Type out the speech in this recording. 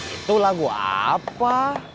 itu lagu apa